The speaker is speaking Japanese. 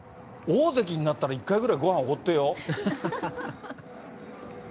大関になったら、１回ぐらいごはんおごってよ？